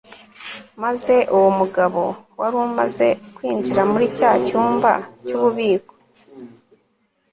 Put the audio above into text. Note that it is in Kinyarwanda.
maze uwo mugabo wari umaze kwinjira muri cya cyumba cy'ububiko